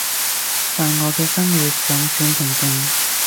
但我嘅生活尚算平靜